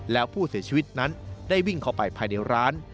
แล้วผู้เสียชีวิตนั้นได้วิ่งเข้าไปภายในร้าน